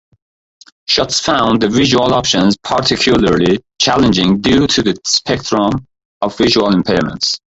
Schatz found the visual options particularly challenging due to the spectrum of visual impairments.